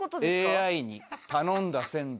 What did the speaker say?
「ＡＩに頼んだ川柳